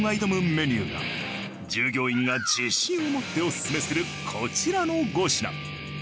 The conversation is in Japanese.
メニューが従業員が自信を持ってオススメするこちらの５品。